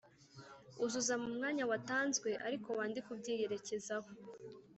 uzuza mu mwanya watanzwe ariko wandike ubyiyerekezaho